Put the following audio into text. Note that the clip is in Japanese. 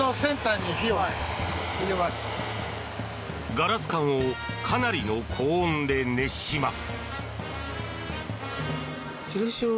ガラス管をかなりの高温で熱します。